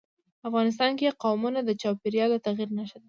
افغانستان کې قومونه د چاپېریال د تغیر نښه ده.